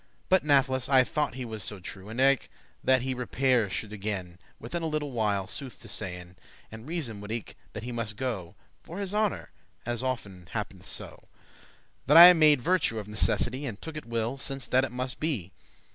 But natheless, I thought he was so true, And eke that he repaire should again Within a little while, sooth to sayn, And reason would eke that he muste go For his honour, as often happ'neth so, That I made virtue of necessity, And took it well, since that it muste be.